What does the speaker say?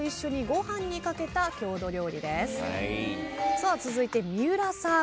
さあ続いて三浦さん。